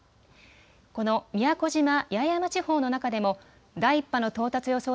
この宮古島・八重山地方の中でも第１波の到達予想